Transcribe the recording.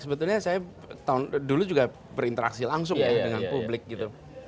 sebetulnya saya dulu juga berinteraksi langsung ya dengan publik gitu